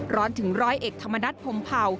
ร้อนถึงร้อยเอกธรรมนัฐพรมเผ่า